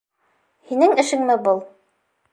Һинең эшеңме был?